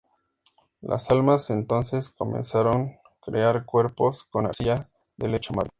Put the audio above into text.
Las almas entonces comenzaron crear cuerpos con la arcilla del lecho marino.